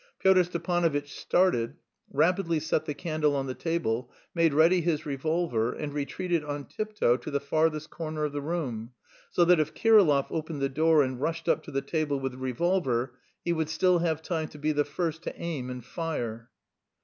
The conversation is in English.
Pyotr Stepanovitch started, rapidly set the candle on the table, made ready his revolver, and retreated on tiptoe to the farthest corner of the room, so that if Kirillov opened the door and rushed up to the table with the revolver he would still have time to be the first to aim and fire.